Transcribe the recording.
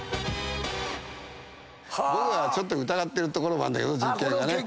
僕はちょっと疑ってるところもあるんだけど実験がね。